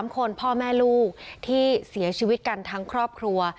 ๓คนพ่อแม่ลูกที่เสียชีวิตกันทั้งครอบครัว